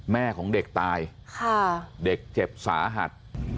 แม่ของเด็กตายเด็กเจ็บสาหัส